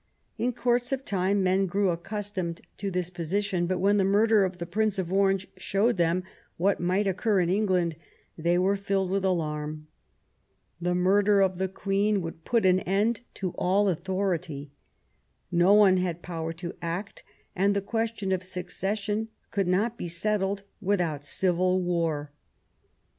In course of time men grew accustomed to this position ; but when the murder of the Prince of Orange showed them what might occur in England, they were filled with alarm. The murder of the 212 QUEEN ELIZABETH, Queen would put an end to all authority. No one had power to act, and the question of succession could not be settled without civil war.